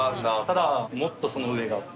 ただもっとその上があって。